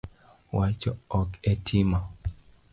Wacho ok e timo